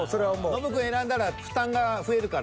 ノブくん選んだら負担が増えるから。